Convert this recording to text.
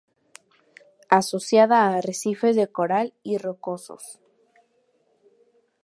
Asociada a arrecifes de coral y rocosos.